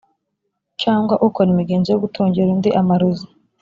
cyangwa ukora imigenzo yo gutongera undi amarozi,